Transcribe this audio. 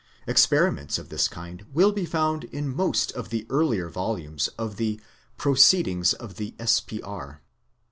Experiments of this kind will be found in most of the earlier volumes of the Proceedings of the S.P.R.